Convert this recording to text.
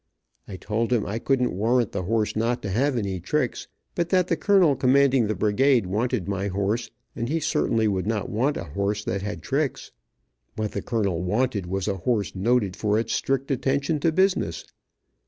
I told him I couldn't warrant the horse not to have any tricks, but that the colonel commanding the brigade wanted my horse, and he certainly would not want a horse that had tricks. What the colonel wanted was a horse noted for its strict attention to business.